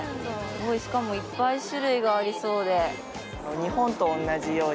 しかもいっぱい種類がありそうで。